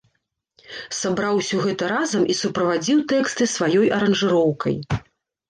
Сабраў усё гэта разам і суправадзіў тэксты сваёй аранжыроўкай.